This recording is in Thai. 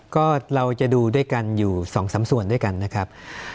ก็เราจะดูด้วยกันอยู่๒๓ส่วนด้วยกันนะครับ